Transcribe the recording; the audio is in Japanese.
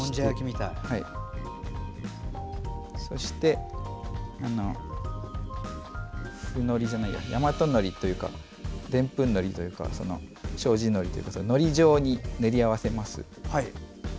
そして、やまとのりというかでんぷんのりというか障子のりというかのり状に練り合わせます。